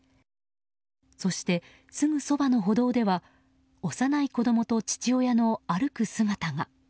そして、すぐそばの歩道では幼い子供と父親の歩く姿が。